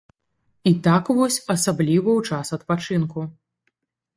І так вось асабліва ў час адпачынку.